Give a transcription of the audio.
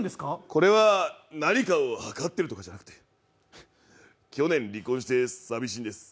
これは何かをはかってるとかじゃなくて、去年離婚して寂しいんです。